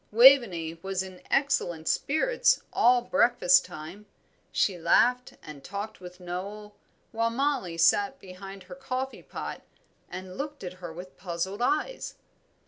Waveney was in excellent spirits all breakfast time. She laughed and talked with Noel, while Mollie sat behind her coffee pot and looked at her with puzzled eyes.